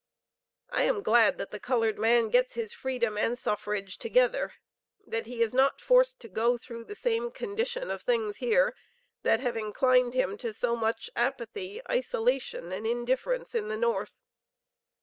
I am glad that the colored man gets his freedom and suffrage together; that he is not forced to go through the same condition of things here, that has inclined him so much to apathy, isolation, and indifference, in the North.